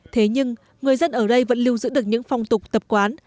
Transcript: thế nhưng người dân ở đây vẫn lưu giữ được những phong tục tập quán